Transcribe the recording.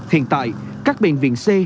hiện tại các bệnh viện c